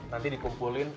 nanti dikumpulin sepuluh